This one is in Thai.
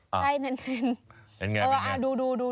เป็นอย่างไรเห็นไหมรึเปล่าดูใกล้เออดู